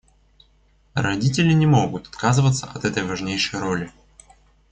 Родители не могут отказываться от этой важнейшей роли.